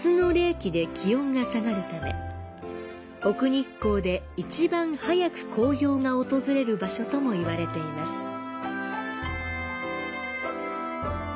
奥日光で一番早く紅葉が訪れる場所ともいわれています。